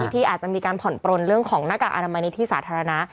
ที่อาจจะมีการผ่อนปลนเรื่องของหน้ากากอนามัยในที่สาธารณะ